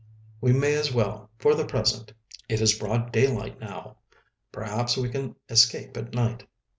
"We may as well, for the present. It is broad daylight now. Perhaps we can escape at night."